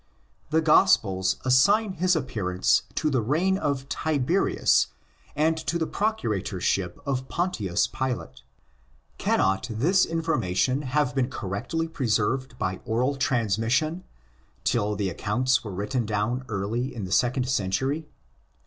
The Gospels assign his appearance to the reign of Tiberius and to the Procuratorship of Pontius Pilate. Cannot this information have been correctly preserved by oral transmission till the accounts were written down early in the second century?